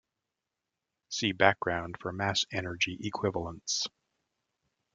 See background for mass-energy equivalence.